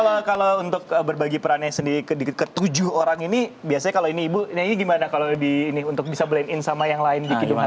kalau untuk berbagi perannya sendiri ke tujuh orang ini biasanya kalau ini ibu ini gimana kalau lebih ini untuk bisa blend in sama yang lain di kehidupan